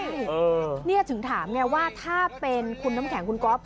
นี่ถึงถามไงว่าถ้าเป็นคุณน้ำแข็งคุณก๊อฟ